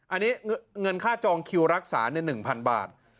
อันนี้เงินค่าจองคิวรักษา๑๐๐๐บาท